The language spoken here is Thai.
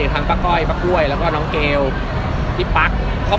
มันถ่ายลงเต็ม๒มิเตอร์เลยนะครับ